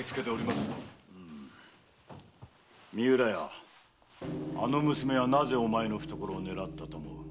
三浦屋あの娘はなぜお前の懐を狙ったと思う？